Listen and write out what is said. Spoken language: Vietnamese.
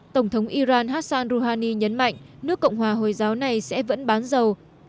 tổng thống iran hassan rouhani nhấn mạnh nước cộng hòa hồi giáo này sẽ vẫn bán dầu